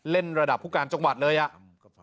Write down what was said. ระดับผู้การจังหวัดเลยอ่ะ